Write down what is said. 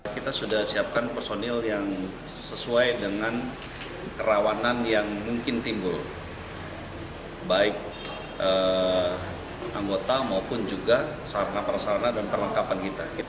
kita sudah siapkan personil yang sesuai dengan kerawanan yang mungkin timbul baik anggota maupun juga sarana perasarana dan perlengkapan kita